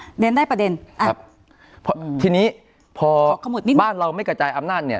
อ่าเด้นได้ประเด็นทีนี้พอบ้านเราไม่กระจายอำนาจเนี่ย